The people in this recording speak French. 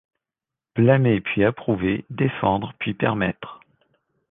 Blâmer, puis approuver, défendre, puis permettre